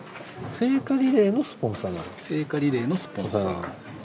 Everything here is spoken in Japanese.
聖火リレーのスポンサーですね。